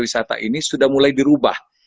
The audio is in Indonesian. wisata ini sudah mulai dirubah